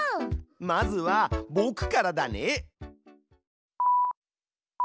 まずはぼくからだね。